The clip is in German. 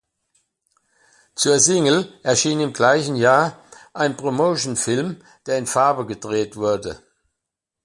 Zur Single erschien im gleichen Jahr ein Promotion-Film, der in Farbe gedreht wurde.